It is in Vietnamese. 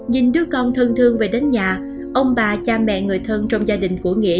nhìn đứa con thân thương về đến nhà ông bà cha mẹ người thân trong gia đình của nghĩa